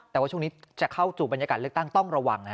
แต่ว่าช่วงนี้จะเข้าสู่บรรยากาศเลือกตั้งต้องระวัง